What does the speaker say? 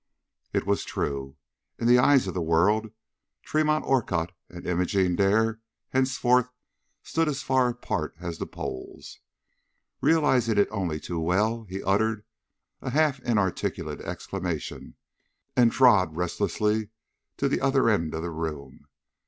It was true. In the eyes of the world Tremont Orcutt and Imogene Dare henceforth stood as far apart as the poles. Realizing it only too well, he uttered a half inarticulate exclamation, and trod restlessly to the other end of the room.